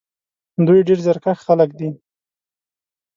دوی ډېر زیارکښ خلک دي.